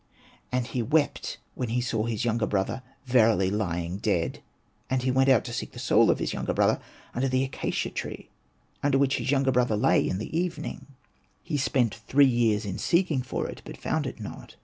And he wept when he saw his younger brother verily lying dead. And he went out to seek the soul of his younger brother under the acacia tree, under which his younger brother lay in the evening. Hosted by Google ANPU AND BATA 57 He spent three years in seeking for it, but found it not.